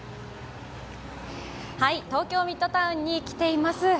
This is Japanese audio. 東京ミッドタウンに来ています。